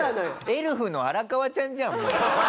エルフの荒川ちゃんじゃんもう。